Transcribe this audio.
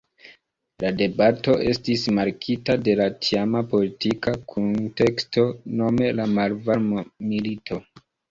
La debato estis markita de la tiama politika kunteksto, nome la Malvarma Milito.